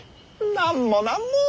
なんもなんも。